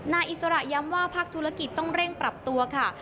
อิสระย้ำว่าภาคธุรกิจต้องเร่งปรับตัวค่ะ